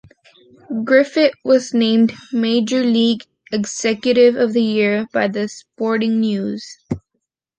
Griffith was named Major League Executive of the Year by The Sporting News.